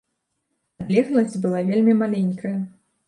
Адлегласць была вельмі маленькая.